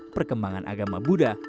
perkembangan agama buddha